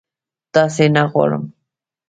تاسي نه غولوم